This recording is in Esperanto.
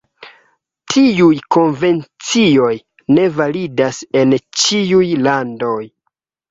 Tiuj konvencioj ne validas en ĉiuj landoj.